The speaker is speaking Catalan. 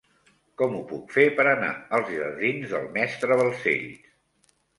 Com ho puc fer per anar als jardins del Mestre Balcells?